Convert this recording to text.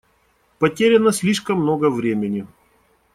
Потеряно слишком много времени.